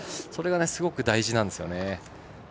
それがすごく大事なんですよね。